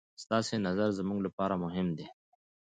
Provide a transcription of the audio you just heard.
ستاسې نظر زموږ لپاره مهم دی.